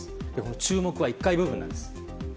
注目は１階部分なんです。